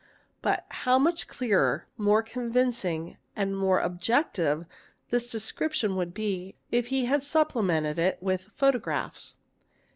But how much clearer, more convincing, and more objective, this description "would be, if he supplemented it with photographs.